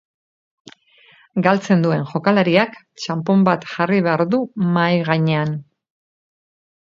Galtzen duen jokalariak txanpon bat jarri behar du mahai gainean.